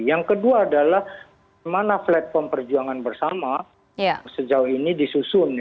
yang kedua adalah mana platform perjuangan bersama sejauh ini disusun